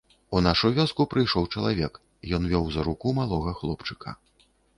У нашу вёску прыйшоў чалавек, ён вёў за руку малога хлопчыка.